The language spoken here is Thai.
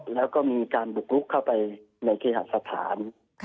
แล้วก็มีการบุกลุกเข้าไปในเคหสถาน